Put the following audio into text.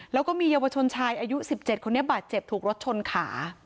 แล้วก็มีเยาวชนชายอายุ๑๗คนนี้บาดเจ็บถูกรถชนขา